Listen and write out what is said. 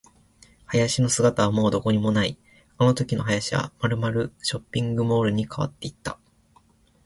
林の姿はもうどこにもない。あのときの林はまるまるショッピングモールに変わっていた。